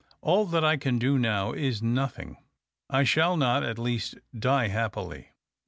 " All that I can do now is nothing. I shall not, at least, die happily."